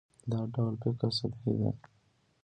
دا ډول فکر سطحي دی.